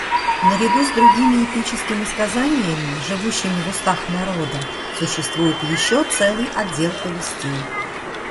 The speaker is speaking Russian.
Наряду с другими эпическими сказаниями, живущими в устах народа, существует еще целый отдел повестей.